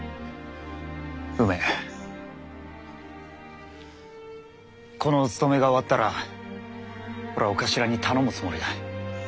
梅このおつとめが終わったら俺はお頭に頼むつもりだ。